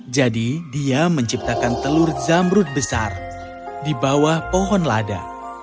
jadi dia menciptakan telur zamrud besar di bawah pohon lada